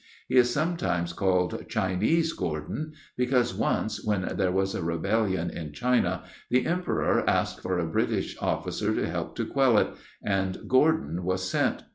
He is sometimes called 'Chinese Gordon,' because once, when there was a rebellion in China, the Emperor asked for a British officer to help to quell it, and Gordon was sent.